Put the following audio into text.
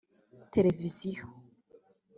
televiziyo